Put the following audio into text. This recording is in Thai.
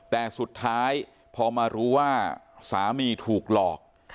แต่สุดท้ายพอมารู้ว่าสามีถูกหลอก